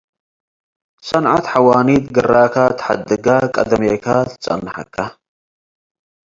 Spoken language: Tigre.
ሰንዐት ሐዋኒት ግራከ ትሐድገ ቀደሜከ ትጸንሐከ።